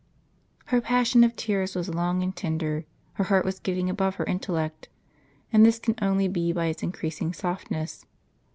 Her passion of tears was long and tender. Her heart was getting above her intellect; and this can only be by its increasing softness.